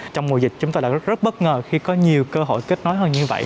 trong mùa dịch chúng tôi đã rất bất ngờ khi có nhiều cơ hội kết nối hơn như vậy